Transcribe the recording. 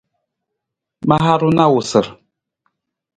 Ma haru na awusar.